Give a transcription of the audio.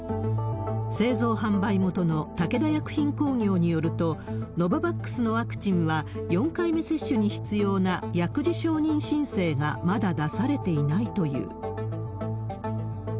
製造販売元の武田薬品工業によると、ノババックスのワクチンは、４回目接種に必要な薬事承認申請がまだ出されていないという。